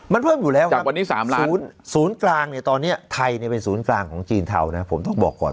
มันเพิ่มอยู่แล้วครับศูนย์กลางเนี่ยตอนนี้ไทยเนี่ยเป็นศูนย์กลางของจีนเทานะครับผมต้องบอกก่อน